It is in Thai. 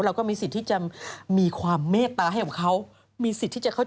แล้วหน้าตัว